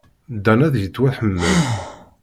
Dan ad yettwaḥemmel.